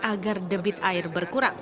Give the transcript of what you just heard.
agar debit air berkurang